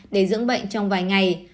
để dưỡng bệnh trong vài ngày